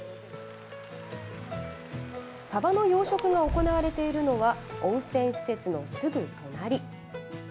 サバの養殖が行われているのは温泉施設のすぐ隣。